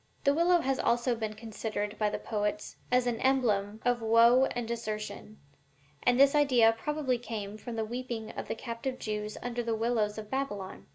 The willow has always been considered by the poets as an emblem of woe and desertion, and this idea probably came from the weeping of the captive Jews under the willows of Babylon.